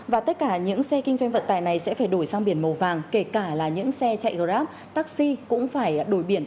và tất cả những xe kinh doanh vận tài này sẽ phải đổi sang biển màu vàng kể cả là những xe chạy grab taxi cũng phải đổi biển